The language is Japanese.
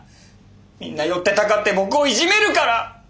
みんな寄ってたかって僕をいじめるから！